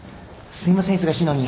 すいません忙しいのに。